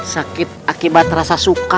sakit akibat rasa suka